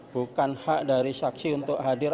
bukan hak dari saksi untuk hadir